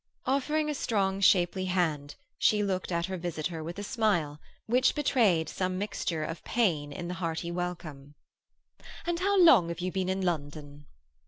Offering a strong, shapely hand, she looked at her visitor with a smile which betrayed some mixture of pain in the hearty welcome. "And how long have you been in London?"